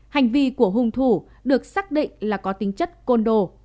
hành vi của hung thủ được xác định là có tính chất côn đồ